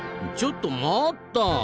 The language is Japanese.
ちょっと待った！